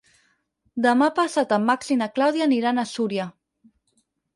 Demà passat en Max i na Clàudia aniran a Súria.